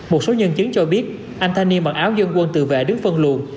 một số nhân chứng cho biết anh thanh niên bằng áo dân quân tự vệ đứng phân luồn